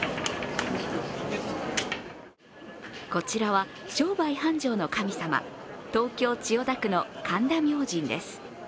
こちらは商売繁盛の神様、東京・千代田区の神田明神です。